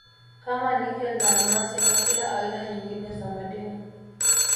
kama Nikel na almasi na kila aina nyingine za madini